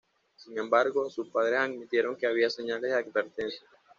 Sin embargo sus padres admitieron que había señales de advertencia.